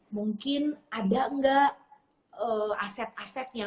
mungkin ada nggak aset asetnya